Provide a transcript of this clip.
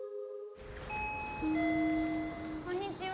こんにちは。